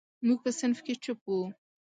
موږ په صنف کې چپ وو.